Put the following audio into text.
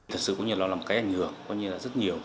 thật sự có nhìn là một cái ảnh hưởng có nhìn là rất nhiều